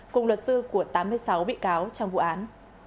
cùng luật sư của tám mươi sáu bị cáo trong vụ án